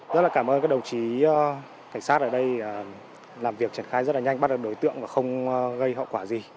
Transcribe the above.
rất là cảm ơn các đồng chí cảnh sát ở đây làm việc triển khai rất là nhanh bắt được đối tượng và không gây hậu quả gì